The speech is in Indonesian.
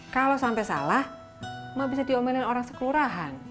kalau sampai salah mbak bisa diomenin orang sekelurahan